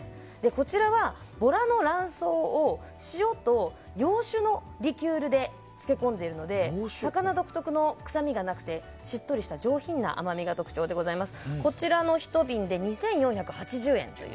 こちらは、ボラの卵巣を塩と洋酒のリキュールで漬け込んでいるので魚独特の臭みがなくてしっとりした上品な甘みが特徴でございます。